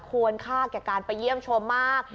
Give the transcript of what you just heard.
ควรค่าแก่การไปเยี่ยมชมมาก